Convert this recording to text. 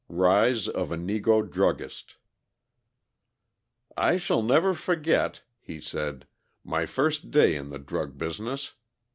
Rise of a Negro Druggist "I never shall forget," he said, "my first day in the drug business.